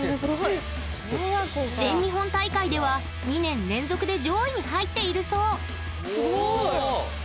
全日本大会では２年連続で上位に入っているそうすごい！